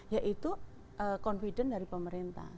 ya itu confident dari pemerintah